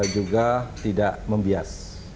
juga tidak membias